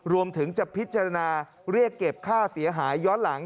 รวมถึงจะพิจารณาเรียกเก็บค่าเสียหายย้อนหลัง